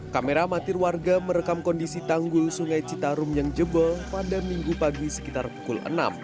kamera amatir warga merekam kondisi tanggul sungai citarum yang jebol pada minggu pagi sekitar pukul enam